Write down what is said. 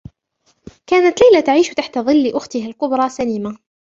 كانت ليلى تعيش تحت ظلّ أختها الكبرى سليمة.